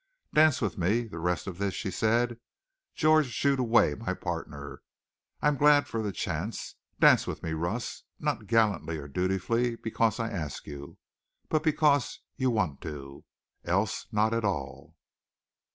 "Dance with me, the rest of this," she said. "George shooed away my partner. I'm glad for the chance. Dance with me, Russ not gallantly or dutifully because I ask you, but because you want to. Else not at all."